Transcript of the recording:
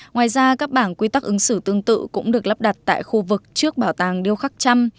ngoài ra các bảng quy tắc ứng xử tương tự cũng được lắp đặt tại khu vực trước bảo tàng điêu khắc trăm